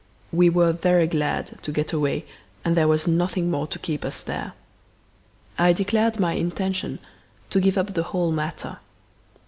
We were very glad to get away and there was nothing more to keep us there. I declared my intention to give up the whole matter.